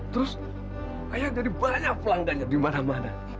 terus ayah jadi banyak pelanggan di mana mana